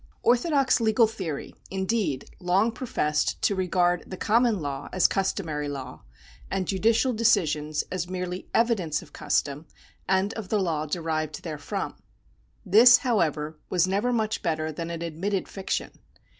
Orthodox legal theory, indeed, long professed to regard the common law as customary law, and judicial deci sions as merely evidence of custom and of the law derived therefrom. This, however, was never much better than an admitted fiction.